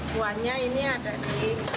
kuahnya ini ada di